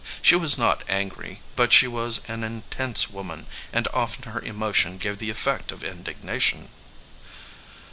She was not angry, but she was an intense woman and often her emotion gave the effect of indigna tion.